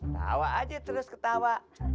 tawa aja terus ketawa